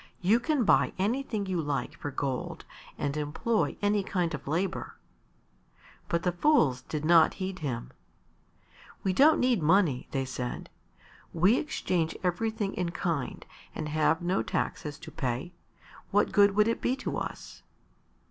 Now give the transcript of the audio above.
"You can buy anything you like for gold and employ any kind of labour." But the fools did not heed him. "We don't need money," they said. "We exchange everything in kind and have no taxes to pay; what good would it be to us?"